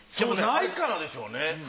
ないからでしょうね。